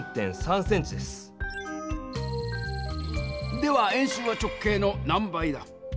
では円周は直径の何倍だ？